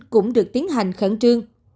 cũng được tiến hành khẩn trương